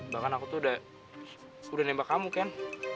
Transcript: bahkan aku tuh udah udah nembak kamu ken